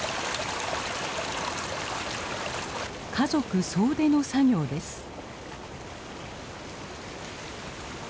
家族総出の作業です。